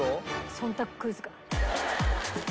忖度クイズか。